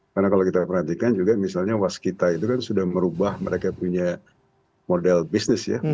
karena kalau kita perhatikan juga misalnya waskita itu kan sudah merubah mereka punya model bisnis ya